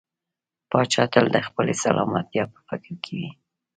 پاچا تل د خپلې سلامتيا په فکر کې وي .